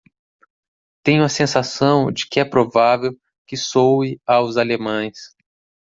Tenho a sensação de que é provável que soe aos alemães.